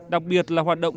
đặc biệt là hoạt động